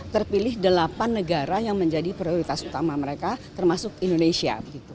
terpilih delapan negara yang menjadi prioritas utama mereka termasuk indonesia